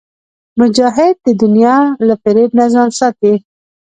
مجاهد د دنیا له فریب نه ځان ساتي.